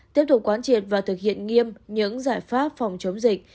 tiếp tục quán triệt và thực hiện nghiêm những giải pháp phòng chống dịch